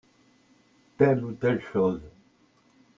Telle ou telle chose.